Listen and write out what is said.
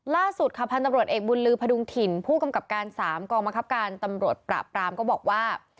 ล่าสุดค่ะพันธุ์ตำรวจเอกบุญลือพดุงถิ่นผู้กำกับการ๓กองบังคับการตำรวจปราบปรามก็บอกว่า